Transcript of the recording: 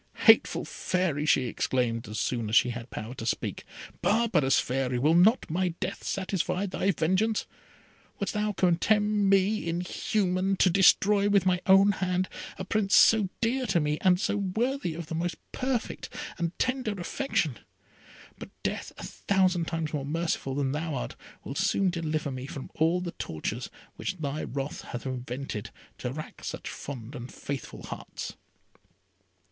"Hateful Fairy!" she exclaimed, as soon as she had power to speak, "Barbarous Fairy! will not my death satisfy thy vengeance? Wouldst thou condemn me, inhuman, to destroy with my own hand a Prince so dear to me, and so worthy of the most perfect and tender affection? But death, a thousand times more merciful than thou art, will soon deliver me from all the tortures which thy wrath hath invented, to rack such fond and faithful hearts."